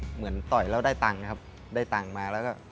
เหมือนต่อยแล้วได้ตังค์นะครับ